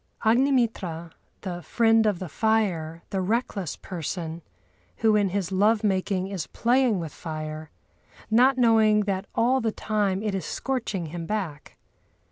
Agnimitra, "the friend of the fire," the reckless person, who in his love making is playing with fire, not knowing that all the time it is scorching him black.